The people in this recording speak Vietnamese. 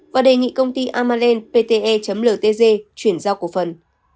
và đề nghị công ty amalend pte ltg chuyển giao cổ phần